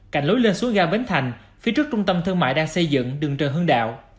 cạnh lối lên xuống ga bến thành phía trước trung tâm thương mại đang xây dựng đường trần hưng đạo